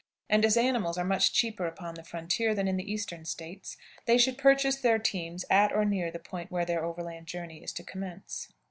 And, as animals are much cheaper upon the frontier than in the Eastern States, they should purchase their teams at or near the point where the overland journey is to commence.